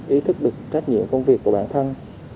ý thức được trách nhiệm công việc của bản thân